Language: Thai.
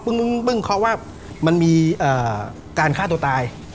เพิ่งเคราะห์ว่ามันมีการฆ่าตัวตาย